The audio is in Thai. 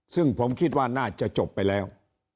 ซึ่งผมคิดว่าน่าจะจบไปแล้ว